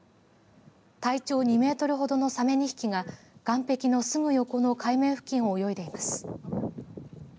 体長２メートルほどのさめ２匹が岸壁のすぐ横の海面付近を泳いでいます。